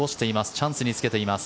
チャンスにつけています。